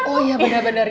oh iya benar benar